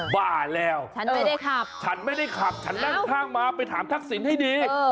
บ้าแล้วฉันไม่ได้ขับฉันไม่ได้ขับฉันนั่งข้างมาไปถามทักษิณให้ดี